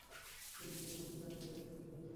কিন্ত জনিকে আমাদেরকে বাঁচাতে হবে।